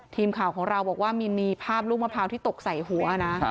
ทีมข่าวของเราบอกว่ามีภาพลูกมะพร้าวที่ตกใส่หัวนะ